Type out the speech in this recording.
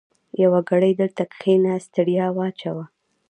يوه ګړۍ دلته کېنه؛ ستړیا واچوه.